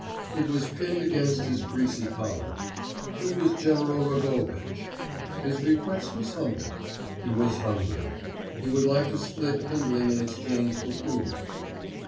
It was pinned against his greasy collar. He was General Rogovich. His request was humble. He was hungry; he would like to split kindling in exchange for food.